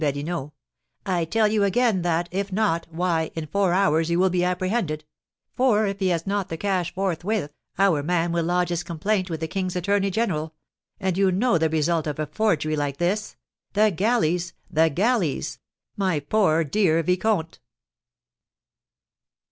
Badinot, "I tell you again that, if not, why, in four hours you will be apprehended; for, if he has not the cash forthwith, our man will lodge his complaint with the king's attorney general; and you know the result of a forgery like this, the galleys, the galleys, my poor dear vicomte!"